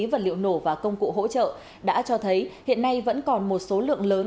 vật liệu nổ và công cụ hỗ trợ đã cho thấy hiện nay vẫn còn một số lượng lớn